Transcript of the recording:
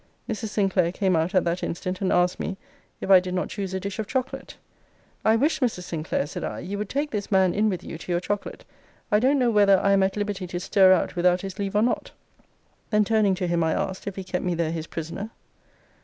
Mrs. Sinclair came out at that instant, and asked me, if I did not choose a dish of chocolate? I wish, Mrs. Sinclair, said I, you would take this man in with you to your chocolate. I don't know whether I am at liberty to stir out without his leave or not. Then turning to him, I asked, if he kept me there his prisoner?